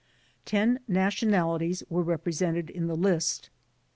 Ten nationalities were repre sented in the list.